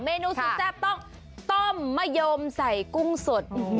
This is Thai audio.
นูสุดแซ่บต้องต้มมะยมใส่กุ้งสด